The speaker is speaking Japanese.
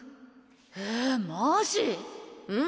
えマジ⁉うん。